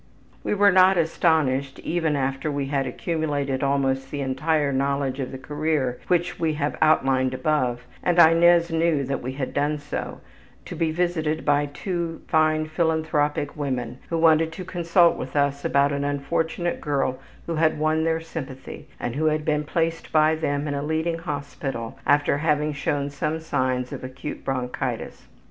We were not astonished, even after we had accumulated almost the entire knowledge of the career which we have outlined above, and Inez knew that we had done so, to be visited by two fine philanthropic women who wanted to consult with us about an unfortunate girl who had won their sympathy, and who had been placed by them in a leading hospital after having shown some signs of acute bronchitis.